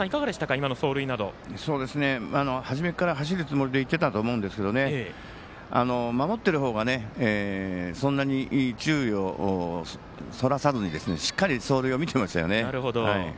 最初から走るつもりで行ってたと思うんですけど守っているほうが、そんなに注意をそらさずにしっかり走塁を見ていましたよね。